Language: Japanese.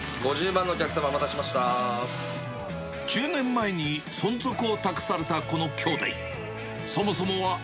５０番のお客様、お待たせし１０年前に存続を託されたこの兄弟。